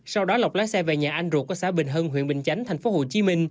sau đó lọc lái xe về nhà anh ruột có xã bình hân huyện bình chánh tp hcm